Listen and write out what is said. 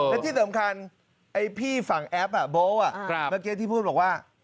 และที่สำคัญไอ้พี่ฝั่งแอปโบ๊เมื่อกี้ที่พูดบอกว่า